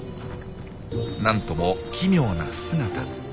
なんとも奇妙な姿。